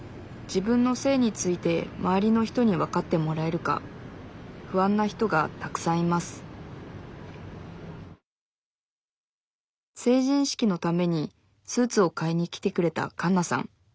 自分の性について周りの人にわかってもらえるか不安な人がたくさんいます成人式のためにスーツを買いに来てくれたカンナさん。